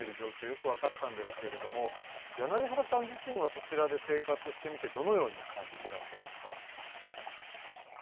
よく分かったんですけれども柳原さん自身はそちらで生活してみてどのように感じてらっしゃいますか？